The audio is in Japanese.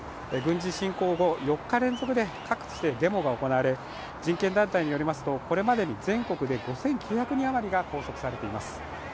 軍事侵攻後４日連続で各地でデモが行われ人権団体によりますとこれまでに全国で５９００人余りが拘束されています。